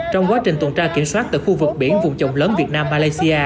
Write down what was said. trong quá trình tuần tra kiểm soát tại khu vực biển vùng trồng lớn việt nam malaysia